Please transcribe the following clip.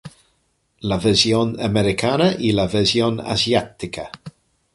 La versión Americana y la versión Asiática.